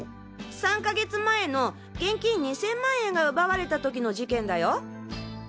３か月前の現金２０００万円が奪われた時の事件だよ。